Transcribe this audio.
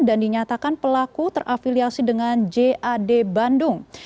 dan dinyatakan pelaku terafiliasi dengan jad bandung